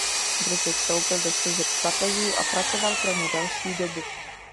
Brzy vstoupil do služeb papežů a pracoval pro ně delší dobu.